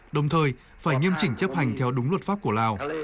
đồng thời phải nghiêm chỉnh chấp hành theo đúng luật pháp của lào